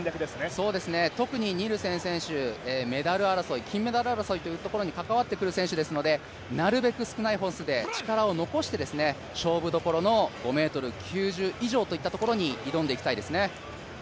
そうですね、特にニールセン選手メダル争い、金メダル争いに関わってくる選手ですのでなるべく少ない本数で力を残して勝負どころの５ｍ９０以上に挑んでいきたいですね。